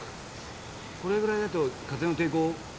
これぐらいだと風の抵抗。